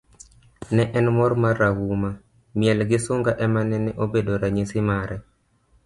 ne en mor marahuma, miel gi sunga ema nene obedo ranyisi mare